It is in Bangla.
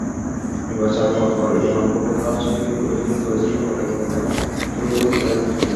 নির্বাচনের পরপর ইমরান ভোট কারচুপির অভিযোগ তুলেছিলেন বটে, কিন্তু তেমন শোরগোল তোলেননি।